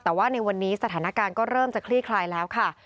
แต่ว่าในวันนี้สถานการณ์ก็เริ่มจะคลี่คลายแล้วค่ะ